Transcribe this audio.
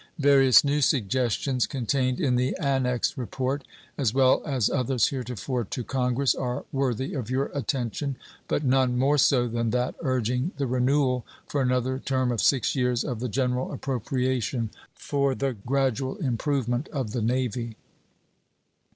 Various new suggestions, contained in the annexed report, as well as others heretofore to Congress, are worthy of your attention, but none more so than that urging the renewal for another term of six years of the general appropriation for the gradual improvement of the Navy.